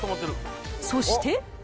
そして。